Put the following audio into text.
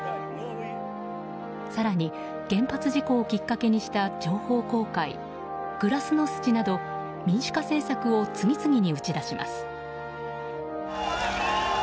更に原発事故をきっかけにした情報公開グラスノスチなど民主化政策を次々に打ち出します。